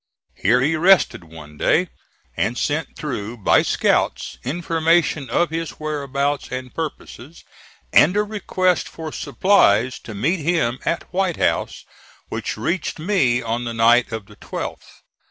Here he rested one day, and sent through by scouts information of his whereabouts and purposes, and a request for supplies to meet him at White House, which reached me on the night of the 12th.